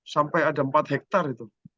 sampai ada empat hektare itu